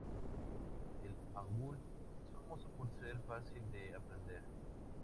El hangul es famoso por ser fácil de aprender.